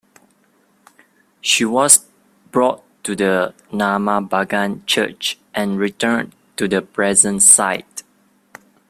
She was brought to the Namagbagan church, and returned to the present site.